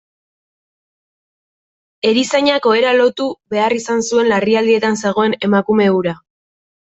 Erizainak ohera lotu behar izan zuen larrialdietan zegoen emakume hura.